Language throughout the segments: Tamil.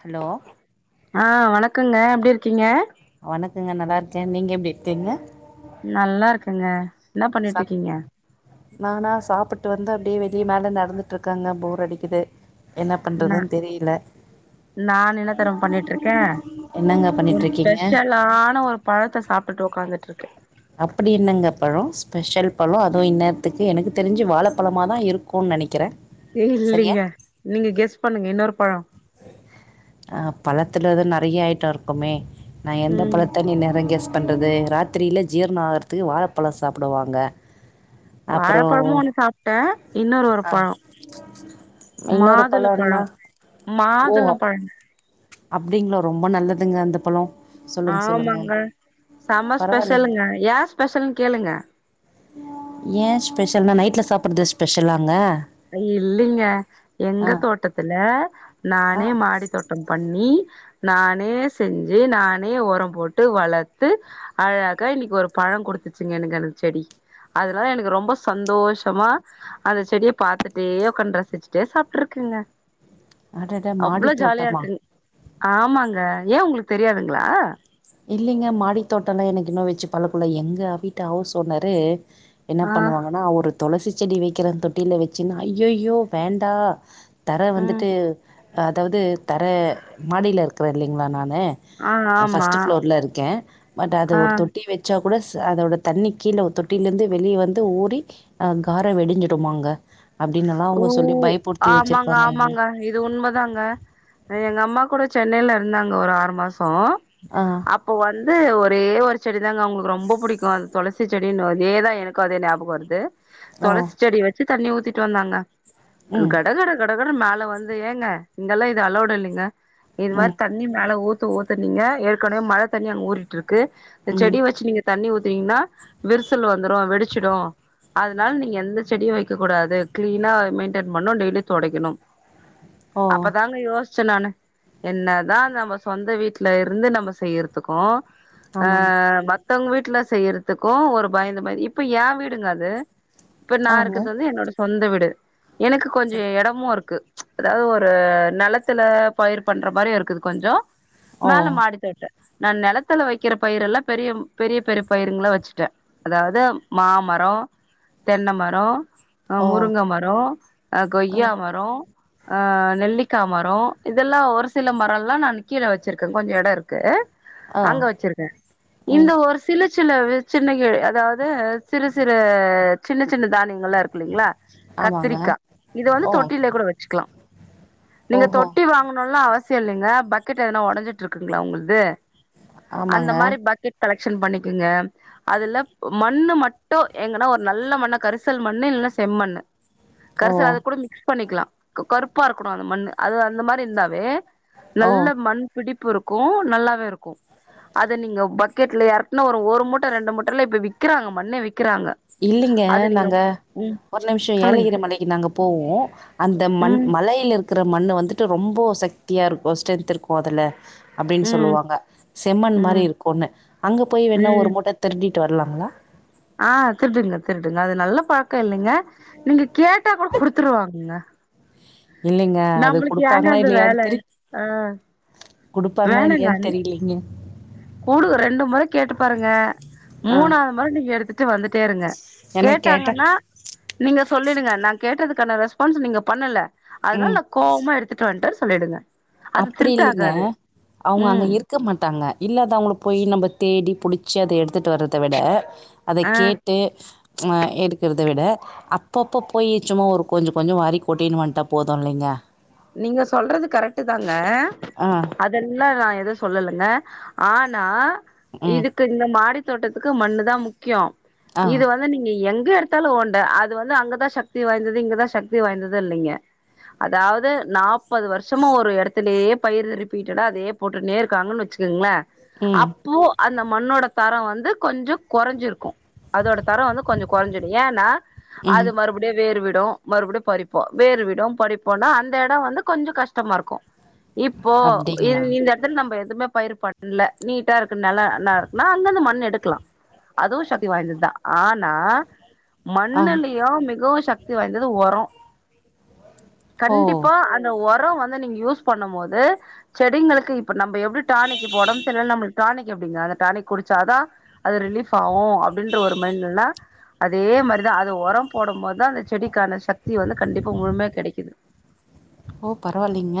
ஹலோ ஆ வணக்கங்க எப்டிருக்கீங்க வணக்கங்க நல்லாருக்க நீங்க எப்டி இருக்கீங்க நல்லாருக்கங்க என்னா சாப் பண்ணிட்ருக்கீங்க நானா சாப்ட்டு வந்து அப்டியே வெளிய மேல நடந்துட்ருக்கங்க போர் அடிக்குது என்ன பண்றதுன் தெரில நானு என்னாத்தெரிமா பண்ணிட்ருக்க என்னங்க ஒரு பண்ணிட்ருக்கீங்க ஸ்பெஷலான ஒரு பழத்த சாப்புட்டு உக்காந்துட்ருக்க அப்டி என்னங்க த்துக்கு எனக்கு தெரிஞ்சு வாழப்பழமாதா இருக்குன் நினைக்கிற இல்லிங்க நீங்க கெஸ் பண்ணுங்க இன்னொரு பழோ அஹ் பழத்துலதா நிறைய ஐட்டருக்குமே நா எந்த ம் பழத்தண் இன்னேறங்கெஸ் பண்றது ராத்திரில ஜீரணாகறதுக்கு வாழப்பழ சாப்டுவாங்க அப்றோ வாழப்பழமு ஒன்னு சாப்ட்ட அஹ் இன்னொரு ஒரு ஆ பழோ இன்னொரு மாதுள பழோ பழோன்னா மாதுள பழம் அப்டிங்ளா ரொம்ப நல்லதுங்க அந்த பழோ சொல்லுங்க சொல்லுங்க ஆமாங்க செம பரவாயில்லைங்க ஸ்பெஷலுங்க ஏ ஸ்பெஷல்ன் கேளுங்க ஏன் ஸ்பெஷல்னா நைட்ல சாப்பறது ஸ்பெஷலாங்க இல்லைங்க ஆ எங்க தோட்டத்துல ஆ நானே மாடி தோட்டம் பண்ணி நானே செஞ்சி நானே உரம் போட்டு வளர்த்து அழக இன்னைக்கு ஒரு பழ ம் கொடுத்துச்சிங்க எனக்கு அந்த செடி அதனால எனக்கு ரொம்ப சந்தோஷமா அந்த செடியப் பாத்துட்டே உக்காந்து ரசிச்சிட்டே சாப்பிட்டுருக்கேங்க அடட மாடி அவ்ளோ ஜாலியா தோட்டமா இருக்குங் ஆமாங்க ஏன் உங்களுக்கு தெரியாதுங்களா இல்லிங்க மாடித்தோட்டம் எல்லாம் எனக்கு இன்னும் வச்சி பழக்கம் இல்ல எங்க வீட்டு ஹவுஸ் ஓனரு என்ன ஆ பண்ணுவாங்கன்னா ஒரு துளசி செடி வைக்கிறன் தொட்டியில வச்சின்னா ஐயையோ வேண்டா தர ம் வந்துட்டு அதாவது தர மாடியில இருக்கிறேன் இல்லைங்களா நானு ஆ ஃபர்ஸ்ட் ஆமா டு ஃப்ளோர்ல இருக்கேன் பட் அது ஆ ஒரு தொட்டி வச்சா கூடஸ் அதோட தண்ணி கீழே தொட்டில இருந்து வெளியே வந்து ஊறி ஆ கார வெடிஞ்சுடுமாங்க ஓ ஆமாங்க ஆமாங்க எங்களுக்கு இது உண்மைதாங்க எங்க அம்மா கூட சென்னையில இருந்தாங்க ஒரு ஆறு மாசம் ஆ அப்ப வந்து ஒரே ஒரு செடி தாங்க அவங்களுக்கு ரொம்ப பிடிக்கும் அது துளசி செடின்னு அதேதான் எனக்கு அதே ஞாபகம் வருது ஓ துளசி செடி வச்சி தண்ணி ஊத்திட்டு வந்தாங்க ம் கட கட கட கடன்னு மேல வந்து ஏங்க இங்கெல்லாம் இது அலவுடு இல்லிங்க இது ம் மாதிரி தண்ணி மேல ஊத் ஊத்துனங்க ஏற்கனவே மழை தண்ணி அங்க ஊறிட்டு இருக்கு இந்த ம் செடி வச்சி நீங்க தண்ணி ஊத் த்தினிங்கனா விரிசல் வந்துரும் வெடிச்சிடும் அதனால நீங்க எந்த செடியும் வைக்க கூடாது கிளீனா மெயின்டென் பண்ணும் டெய்லி தொக்டைக்கணும் ஓ அப்பதாங்க யோச ச்ச நானு என்னதான் நம்ம சொந்த வீட்டுல இருந்து நம்ம செய்றதுக்கும் ஆ ஆமாங்க மத்தவங்க வீட்டுல செய்யறதுக்கும் ஒரு பயந்து பயந்து இப்ப ஏ வீடுங்க அது இப்ப நான் ஆங்க இருக்கிறது வந்து என்னோட சொந்த விடு எனக்கு கொஞ்சம் இடமும் இருக்கு அதாவது ஒரு நிலத்துல பயிர் பண்ற மாதிரி இருக்குது கொஞ்சம் ஓ மேல மாடித்தோட்டம் நான் நிலத்துல வைக்கிற பயிர் எல்லாம் பெரிய பெரிய பெரிய பயிருங்கள வச்சிட்டேன் அதாவது மாமர மரோம் தென்னை மரோம் ஓ முருங்க மரோம் அ கொய்யா ம் மரோம் ஆ நெல்லிக்கா மரோம் இதெல்லாம் ஒரு சில மரோம் எல்லாம் நான் கீழே வச்சிருக்கேன் கொஞ்சம் இடம் இருக்கு ஆ அங்க வச்சிருக்கேன் ம் இந்த ஒரு சிலு சில சின்ன கிழ அதாவது சிறு சிறு சின்ன சின்ன தானியங்கள்லா இல்லிங்களா ஆமாங்க கத்திரிக்காய் இதை வந்து ஓ தொட்டிலயே கூட வச்சிக்கலாம் நீங்க ஓஹோ தொட்டி வாங்கணுல்லாம் அவசியம் இல்லைங்க பக்கெட் எதனா உடஞ்சிட்டு இருக்குங்களா உங்களது அந்த ஆமாங்க மாதிரி பக்கெட் கலெக்ஷன் பண்ணிக்கங்க அதுல மண்ணு மட்டும் எங்கன்னா ஒரு நல்ல மண்ண கரிசல் மண்ணு இல் செம்மண்ணு ஓ கரிசல் அதை கூட மிக்ஸ் பண்ணிக்கலாம் கருப்பா இருக்கணும் அந்த மண்ணு அது அந்த மாதிரி இருந்தாவே ஓ நல்ல மண் பிடி உப்பு இருக்கு நல்லாவே இருக்கு அத நீங்க பக்கெட்ல எறக்னா ஒரு ஒரு மூட்ட, ரெண்டு மூட்டல்லா இப்ப விக்கிறாங்க மண்ண விக் இல்லிங்க நாங்க ம் ஒரு நிம்ஷோ சொல்லுங்க ஏலகிரி மலைக்கு நாங்க போவோ அந்த மண் ம் மலை லிருக்கற மண்ணு வந்துட்டு ரொம்ப சக்தியா இருக்கு ஸ்ட்ரென்த் இருக்கு அதுல அப்டின் ம் சொல்லுவாங்க செம்மண் மாரி ம் இருக்குன்னு அங்க போய் வேணா ம் ஒரு மூட்ட திருடி ட்டு வர்லாங்ளா ஆ திருடுங்க திருடுங்க அது நல்ல பழக் கில்லைங்க நீங்க கேட்டா கூட குடுத்துருவாங்க இல்லீங்க அது குடுப்பாங்ளா அந்த வேல இல்லையான் தெரி ஆ குடுப்பாங்ளா வேணாங்க இல்லியான் தெரிலீங்க குடு ரெண்டு மொற கேட்டு பாருங்க ஆ மூணாது மொற நீங்க எடுத்துட் டு வந்துட்டே இருங்க ஏன்னா கேட்டா கேட்டாங்கன்னா நீங்க சொல்லிடுங்க நா கேட்டதுக்கான ரெஸ்பான்ஸ் நீங்க பண்ணல ம் அதுனால நா கோவ்மா எடுத்துட்டு வந்ட்டே சொல்லிடுங்க அது அப்டி இல்லீங்க திருட்டாகாது அவங்க அங்க ம் இருக்க மாட்டாங்க இல்லாதவங்கள போய் நம்ம தேடி புடிச்சி அத எடுத்துட்டு வரத விட அத ஆ கேட்டு அ எடுக்கறத விட அப்பப்ப போய் சும்மா ஒரு கொஞ்சோ கொஞ்சோ வாரி கொட்டின் வந்ட்டா போது இல்லீங்க நீங்க சொல்றது கரக்ட்டு தாங்க ஆ. அதெல்லா நா எது சொல்லலங்க ஆனா ம். இதுக்கு இந்த மாடி தோட்டத்துக்கு மண்ணு தா முக்கியோ ஆ. இது வந்து நீங்க எங் க எடுத்தாலு ஓண்ட அது வந்து அங்கதா சக்தி வாய்ந்தது இங்கதா சக்தி வாய்ந்தது இல்லீங்க அதாவ்து நாப்பது வர்ஷமா ஒரு எடத்துலே பயிறு ரிப்பீட்டடா அதயே போட்டுன்னே இருக்காங்கன் வெச்சிக்கங்ளே ம். அப்போ அந்த மண்ணோட தரோ வந்து கொஞ்சோ கொறஞ்சிருக்கு அதோட தரோ வந்து கொஞ்சோ கொறஞ்சிடு ஏனா அது ம். மறுபடியு வேர் வி டு மறுபடியு பறிப்போ வேர் விடு பறிப்போன்னா அந்த எடோ வந்து கொஞ்சோ கஷ்டமா இருக்கு இப்போ இ அப்டிங்களா? இந்த எடத்துல நம்ப எ எதுமே பயிர் பண்ல நீட்டா இருக்கு நெல ந நா அங்க இருந்து மண் எடுக்லா அதுவு சக்தி வாய்ந்தத் தா ஆனா ஆ. மண்ணுலயு மிகவு சக்தி வாய்ந்தது ஒரோ ஓ இந்த ஒரோ வந்து நீங்க யூஸ் பண்ணும் போது செடிங்களுக்கு இப்ப நம்ப எப்டி டானிக்கு இப்ப ஒடம் செரில்ல நம்ளுக் டானிக் எப்டிங்க அந்த டானிக் குடிச்சாதா அது ரிலீஃப் ஆவு அப்டின்ற ஒரு மைண்டுல அதே மாரி தா அது ஒரோ போடும்போத் தா அந்த செடிக்கான சக்தி வந்து கண்டிப்பா முழுமையா கெடைக்குது ஓ பரவால்லீங்க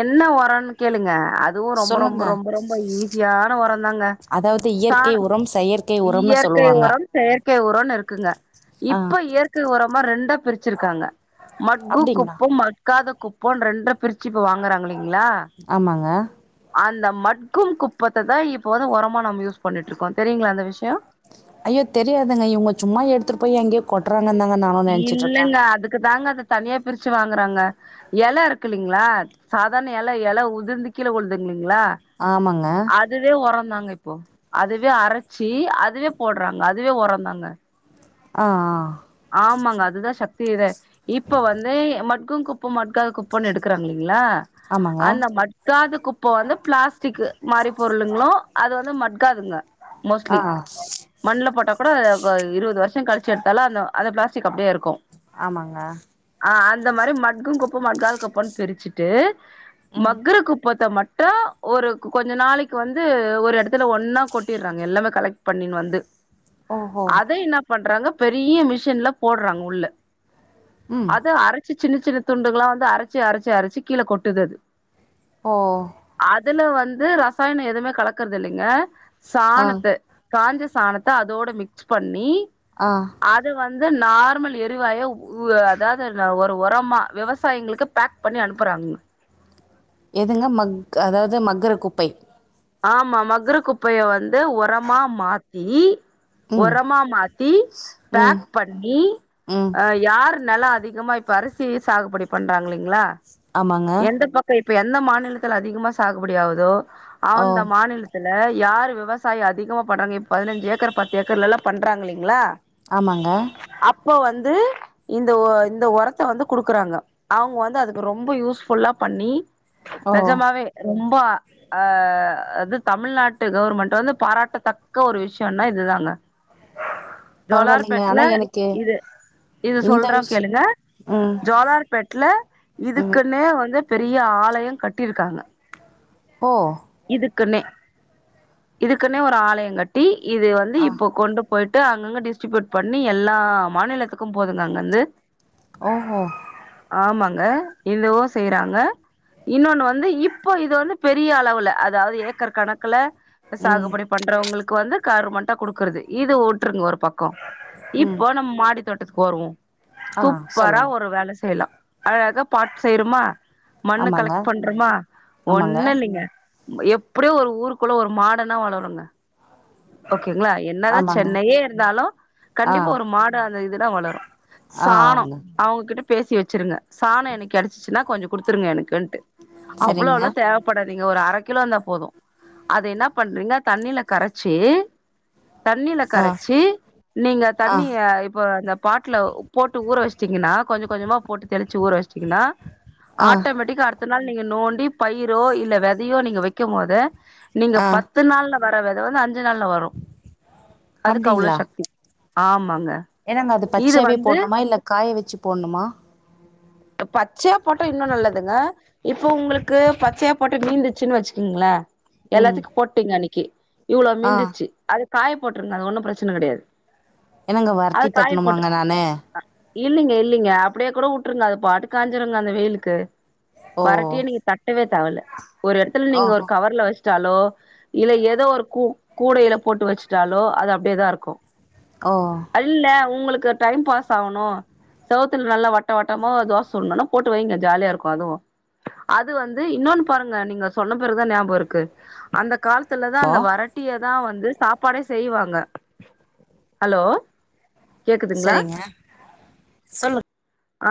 என்ன ஒரோனு கேளுங்க அதுவு ரொம்ப ரொம்ப சொல்லுங்க. ரொம்ப ரொம்ப ஈஸியான ஒரோந்தாங்க அதாவது இயற்கை ஸ்டார் உரம், செயற்கை உரம்னு இயற்கை சொல்லுவாங்க. ஒரம் செயற் கை உரோனு இருக்குங்க ஆ. இப்ப இயற்கை ஒரமா ரெண்டா பிரிச்சிருக்காங்க மட்கு அப்டிங்களா? குப்பம் மட்காத குப்போ ரெண்டா பிரிச்சு இப்ப வாங்கறாங்கில்லீங் ஆமாங்க அந்த மட்கும் குப்பத்த தா இப்ப வந்து ஒரமா நம்ம யூஸ் பண்ணிட்ருக்கோ தெரியுங்ளா அந்த விஷ்யோ ஐயோ தெரியாதுங்க இவுங்க சும்மா எடுத்துட்டு போய் எங்யோ கொட்றாங் இல்லல்ல அதுக்கு தாங்க அத தனியா பிரிச்சு வாங்கறாங்க எல இருக்குல்லீங்ளா சாதாரண எல எல உதிர்ந்து கீழ உழ்துங்ளீங் ளா ஆமாங்க அதுவே ஒரோ ந்தாங்க இப்போ அதுவே அரச்சி அதுவே போட்றாங்க அதுவே ஒரந்தாங்க ஆ ஆ ஆமாங்க அதுதா சக்தி இதே இப்ப வந்து மட்கும் குப்பம் மட்காத குப்போனு எடுக்கறாங்க இல்லீங்ளா ஆமாங்க அந்த மட்காத குப் போ வந்து பிளாஸ்டிக்கு மாரி பொருளுங்ளு அது வந்து மட்காதுங்க ஆ மோஸ்ட்லி ஆ. மண்ல போட்டா கூட அ இருவது வர்ஷொ கழுச்சு எடுத்தாலு அந்த அந்ஊ ப்ளாஸ்டிக் அப்டியே இருக்கு ஆமாங்க ஆ அந்த மாரி மட்கும் குப்ப மட்காத குப்பன் பிரிச்சுட்டு மக்குர குப்பத்த மட் ட்று ஒரு கொஞ்ச நாளக்கி வந்து ஒரு எடத்துல ஒன்னா கொட்டிற்றாங்க எல்லாமே கலெக்ட் பண்ணின்னு வந்து ஓஹோ அத என்னா பண்றாங்க பெரிய மிஷின்ல போட்றாங்க உள்ள ம் அது அரச்சு சின்ன சின்ன துண்டுகளா வந்து அரச்சு அரச்சு அரச்சு கீழ கொட்டுது அது ஓ அதுல வந்து ரசாயனோ எதுமே கலக்குறது இல்லங்க ஆ சாணத்த காஞ்ச சாணத்த அதோட மிக்ஸ் பண்ணி ஆ அத வந்து நார்மல் எரிவாயா உ அதாது ஒரு ஒரமா விவசாயிகளுக்கு பேக் பண்ணி அனுப்ப ராங்க எதுங்க மக் அதாவது மக்கர குப்பை ஆமா மக்ர குப்பைய வந்து ஒரமா மாத்தி ம் ஒரமா மாத்தி ம் பேக் பண்ணி ம் அ யார் நெலோ அதிகமா இப்ப அரிசி சாகுபடி பண்றாங்கீள்ளீங்களா ஆமாங்க எந்த பக்க இப்ப எந்த மாநிலத்துல அதிகமா சாகுபடி ஆகுதோ ஓ அந்த மாநிலத்துல ல யாரு விவசாய அதிகமா பண்றாங்க இப்ப பதுனஞ்சு ஏக்கர் பத்து ஏக்கர்லல்லா பண்றாங்க இல்லேங்களா ஆமாங்க அப்போ வந்து இந்த ஒ இந்த ஒரத்த வந்து குடுக்குறாங்க அவுங்க வந்து அதுக்கு ரொம்ப யூஸ்ஃபுல்லா பண்ணி ஓ நெஜமாவே ரொம் ப ஆ அது தமிழ்நாட்டு கவர்மண்ட் வந்து பாராட்டத்தக்க ஒரு விஷ்யனோ இதுதாங்க பரவாயில்லைங்க ஜோலார்பேட்ல ஆனால் எனக்கு இது இது இந்த சொல்றோ கேளுங்க விஷயம் ம் ஜோலார்பேட்ல ம் இதுக்குன்னே வ வந்து பெரிய ஆலயொ கட்டிருக்காங்க ஓ இதுக்குன்னே இதுக்குன்னே ஒரு ஆலயொ கட்டி இது வந்து இப்போ கொண்டு போய்ட்டு அங்கங்க டிஸ்ட்ரிபியூட் பண்ணி எல்லா மாநிலத்துக்கு போதுங்க அங்க இருந்து ஓஹோ ஆமாங்க இந்தவு செய்றாங்க இன்னோன்னு வந்து இப்ப இது வந்து பெரிய அளவுல அதாவது ஏக்கர் கணக்குல ம் சாகுபடி பண்றவங்களுக்கு வந்து கருமண்டா குடுக்குறது இது வுட்ருங்க ஒரு பக்கோ ம் இப்ப நம்ம மாடி தோட்டத்துக்கு வருவோ ஆ சூப்பரா சொல்லுங்க ஒரு வேல செய்லா அழாக பாட் செய்றமா மண்ணு ஆமாங்க கலெக்ட் பண்றமா ஆமாங்க ஒண்ணு இல்லங்க எப்டியோ ஒரு ஊருக்குள்ள ஒரு மாடன்னா வளருங்க ஓகேங்ளா என்னதா ஆமாங்க சென்னையே இருந்தாலு ஆ கண்டிப்பா ஒரு மாடு அந்த இதுடா வளரு சாணோ ஆங்க அவுங்ககிட்ட பேசி வச்சுருங்க சாணோ எனக்கு கெடச்சிச்சுன்னா கொஞ்ச குடுத்துருங்க எனக் குன்ட்டு சரிங்க அவ்ளோளா தேவப்படாதீங்க ஒரு அர கிலோ இருந்தா போது அது என்னா பண்றீங்க தண்ணீல கரச்சு தண்ணீல ஆ கரச்சு நீங்க ஆ தண்ணிய இப்ப அந்த பாட்டுல போட்டு ஊற வச்ட்டீங்கன்னா கொஞ்ச கொஞ்சமா போட்டு தெளிச்சு ஊற வச்ட்டீங்கன்னா ஆ ஆட்டோமேட்டிகா அடுத்த நாள் நீங்க நோண்டி பயிரோ இல்ல வெதையோ நீங்க வைக்கும் போது நீங்க ஆ பத்து நாள்ல வர்ர வெத வந்து அஞ் சு நாள்ள வரு அதுக்கு அவ்ளோ சக்தி ஆமாங்க ஏனங்க அது இது பச்சையாவே வந்து போட்ணுமா இல்ல காய வச்சு போட்ணுமா பச்சையா போட்டா இன்னு நல்லதுங்க இப்ப உங்களுக்கு பச்சையா போட்டது மீந்துச்சுன்னு வச்சுக்கங்ளே ம் எல்லாத்துக்கு போட்டீங்க அன்னக்கி இவ்ளோ ஆ மிந்துச்சு அது காய போட்டுருங்க அது ஒன்னு பிரச்சன கெடையாது என்னங்க வரட்டி தட்டனுமாங்க நானு இல்லிங்க இல்லிங்க அப்படியே கூட உட்டுருங்க அது பாட்டு காயஞ்சிருங்க அந்த வெயிலுக்கு ஓ வரட்டியே நீங்க தட்டவே தேவல ஒரு இடத்துல நீங்க ஒரு ஓஹோ கவர்ல வச் சல்லோ இல்ல ஏதோ ஒரு கூ கூடையில போட்டு வச்சுட்டாலோ அது அப்படியேதான் இருக்கும் ஓ இல்ல உங்களுக்கு டைம் பாஸ் ஆவுணும் செவத்துல நல்லா வட்ட வட்டமோ தோசை சொல்லும்னா போட்டு வைங்க ஜாலியா இருக்கும் அதுவும் அது வந்து இன்னொன்னு பாருங்க நீங்க சொன்ன பேருதான் ஞாபகம் இருக்கு அந்த காலத் த்துலதான் ஹலோ அந்த வரட்டியதான் வந்து சாப்பாடே செய்வாங்க ஹலோ கேக்குதுங்களா சரிங்க சொல்லு ஆ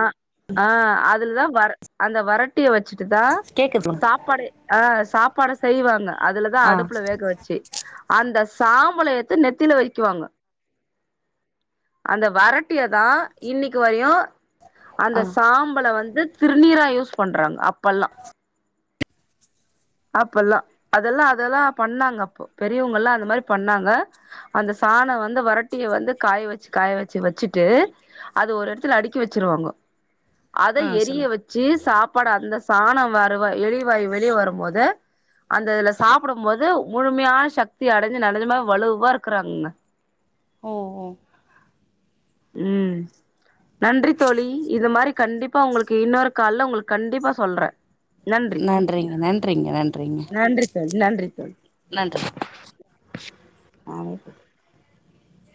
ஆ அதுல்தான் வர் அந்த வரட்டிய வச் வச்சுட்டு தான் கேக்குது சொல்லுங்க. சாப்பாடே ஆ சாப்பாட செய்வாங்க அதுலதான் ஆ அடுப்புல வேக வச்சு அந்தஸ் சாம்பளை எத்து நெத்தில வைக்குவாங்க அந்த வீட்டின் தான் இன்னைக்கு வரையும் ஆ அந்த சாம்பலை வந்து திருநீரா யூஸ் பண்றாங்க அப்பலாம் அப்பலாம் அதெல்லாம் அதெல்லாம் பண்ணாங்க அப்போ பெரியவங்க எல்லாம் அந்த மாதிரி பண்ணாங்க அந்தஸ் சாணம் வந்து வறட்டிய வந்து காய வச்சு காய வச்சு வச்சுட்டு அது ஒரு இடத்துல அடுக்கி வச்சுருவாங்கோ அதை ஆ எரிய சொல்லுங்க வச்சு சாப்பாடு அந்த சாணம் வறுவை எலிவாய் வெளி வரும் போது த அந்த இதுல சாப்புடும் போது முழுமையான சக்தி அடஞ்சி [unintelligible] நெஜமாவே வலுவா இருக்குறாங்கங்க ஓ ஓ ம் நன்றி தோழி இது மாதிரி கண்டிப்பா உங்களுக்கு இன்னொரு கால்ல உங்களுக்கு கண்டிப்பா சொல்றன் நன்றிங்க நன்றிங்க நன்றிங்க நன்றி தோழி நன்றி ஆனது